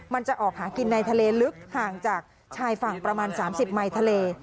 มันจะออกหากินในทะเลลึกห่างจากชายฝั่งประมาณ๓๐ไมค์ทะเล